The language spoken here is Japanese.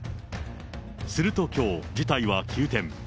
するときょう、事態は急転。